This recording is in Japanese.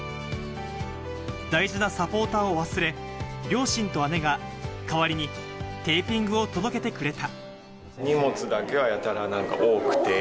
大事なサポーターを忘れ、両親と姉が代わりにテーピングを届けてくれた。